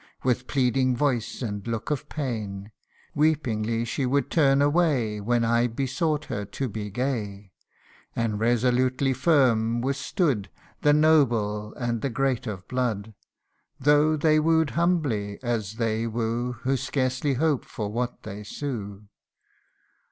With pleading voice, and look of pain. Weepingly she would turn away When I besought her to be gay ; And resolutely firm, withstood The noble and the great of blood ; CANTO III. Though they woo'd humbly, as they woo Who scarcely hope for what they sue.